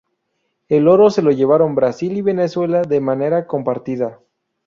El oro se lo llevaron Brasil y Venezuela de manera compartida.